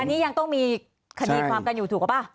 อันนี้ยังต้องมีคดีความกันอยู่ถูกหรือเปล่า